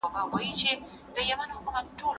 که نجونې پوښتنه وکړي نو ځواب به نه وي ورک.